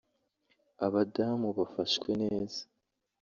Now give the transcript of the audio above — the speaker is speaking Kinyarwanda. abadamu bafashwe neza